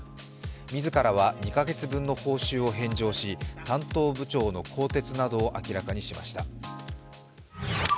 自らは２カ月分の報酬を返上し、担当部長の更迭などを明らかにしました。